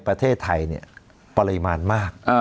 ประเทศไทยปริมาณมาก